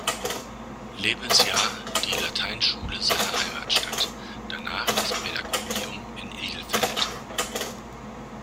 Lebensjahr die Lateinschule seiner Heimatstadt, danach das Pädagogium in Ilfeld.